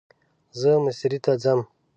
زه مستری ته ځم